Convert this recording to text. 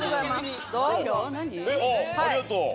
ありがとう。